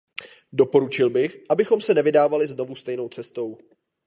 Doporučil bych, abychom se nevydávali znovu stejnou cestou.